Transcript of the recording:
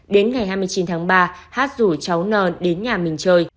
đến ngày hai mươi chín tháng ba hát rủ cháu n đến nhà mình chơi